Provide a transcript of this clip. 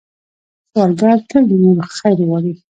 سوالګر تل د نورو خیر غواړي